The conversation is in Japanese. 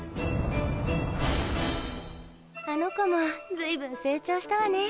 あの子も随分成長したわね。